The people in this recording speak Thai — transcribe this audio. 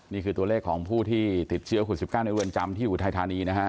นี่คือตัวเลขของผู้ที่ติดเชื้อคุณ๑๙ในเรือนจำที่อุทัยธานีนะฮะ